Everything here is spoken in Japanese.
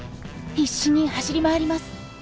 必死に走り回ります。